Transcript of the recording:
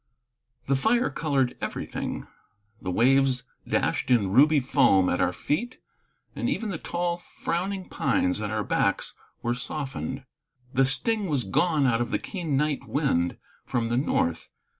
The fire colored everything. The waves dashed in ruby foam at our feet, and even the tall, frowning pines at our backs were softened; the sting was gone out of the keen night wind from the north.